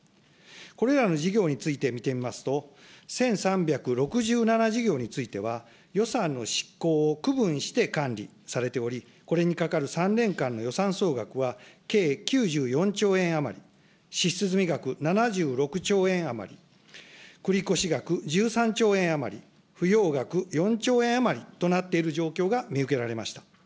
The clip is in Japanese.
これらの事業について見てみますと、１３６７事業については、予算の執行を区分して管理されており、これにかかる３年間の予算総額は計９４兆円余り、支出済額７６兆円余り、繰り越し額１３兆円余り、不用額４兆円余りとなっている状況が見受けられました。